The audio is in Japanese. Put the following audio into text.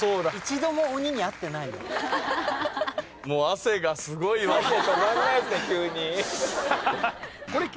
もう汗がすごいわ。